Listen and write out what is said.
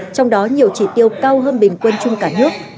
trong đó nhiều chỉ tiêu cao hơn bình quân chung cả nước